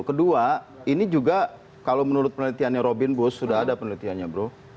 kedua ini juga kalau menurut penelitiannya robin bos sudah ada penelitiannya bro